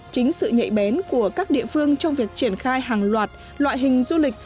chính sự nhạy bén của các địa phương trong việc triển khai hàng loạt loại hình du lịch